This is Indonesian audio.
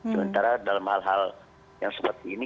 sementara dalam hal hal yang seperti ini